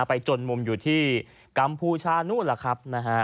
ไปจนมุมอยู่ที่กัมพูชานู่นล่ะครับนะฮะ